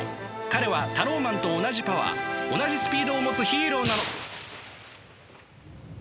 彼はタローマンと同じパワー同じスピードを持つヒーローなの。